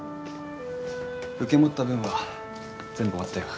受け持った分は全部終わったよ。